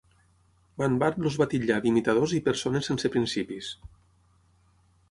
Banvard els va titllar d'imitadors i "persones sense principis".